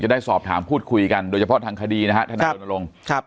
ได้สอบถามพูดคุยกันโดยเฉพาะทางคดีนะฮะทนายรณรงค์